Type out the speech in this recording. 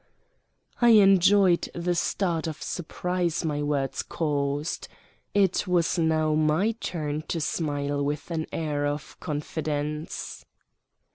I enjoyed the start of surprise my words caused. It was now my turn to smile with an air of confidence.